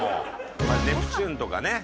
ネプチューンとかね